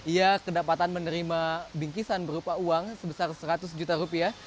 ia kedapatan menerima bingkisan berupa uang sebesar seratus juta rupiah